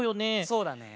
そうだね。